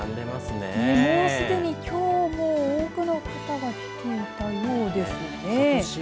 もうすでにきょうも多くの方がいるようですね。